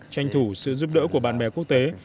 tranh thủ sự giúp đỡ của bạn bè quốc tế